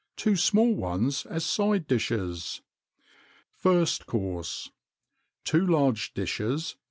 TWO SMALL ONES AS SIDE DISHES. FIRST COURSE. SECOND COURSE. TWO LARGE DISHES.